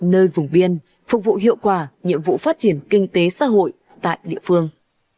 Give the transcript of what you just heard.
nơi vùng biên phục vụ hiệu quả nhiệm vụ phát triển kinh tế xã hội tại địa phương